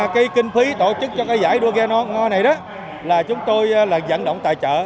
cái kinh phí tổ chức cho cái giải đua ghe ngo này đó là chúng tôi là dẫn động tài trợ